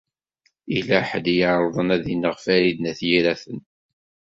Yella ḥedd i iɛeṛḍen ad ineɣ Farid n At Yiraten.